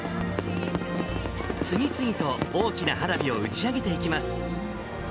次々と大きな花火を打ち上げていきます。